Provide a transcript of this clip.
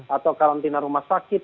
atau karantina rumah sakit